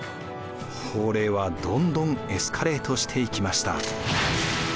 法令はどんどんエスカレートしていきました。